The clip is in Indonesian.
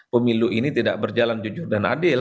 pemilu ini tidak berjalan jujur dan adil